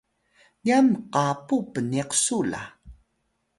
nyan mqapu pniq su la